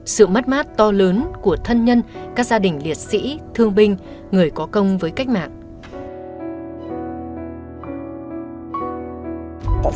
sự mất mát to lớn của thân nhân các gia đình liệt sĩ thương binh người có công với cách mạng